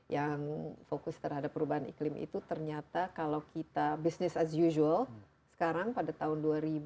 yang fokus terhadap perubahan iklim itu ternyata kalau kita business as usual sekarang pada tahun dua ribu